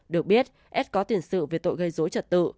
được biết ít có tiền sự về tội gây dối trật tự